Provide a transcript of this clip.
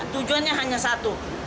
tujuannya hanya satu